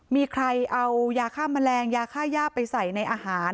มีใครเอายาฆ่าแมลงยาค่าย่าไปใส่ในอาหาร